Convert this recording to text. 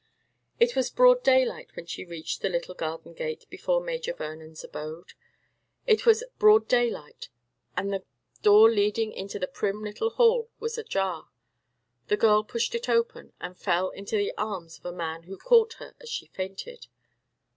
It was broad daylight when she reached the little garden gate before Major Vernon's abode. It was broad daylight, and the door leading into the prim little hall was ajar. The girl pushed it open, and fell into the arms of a man, who caught her as she fainted.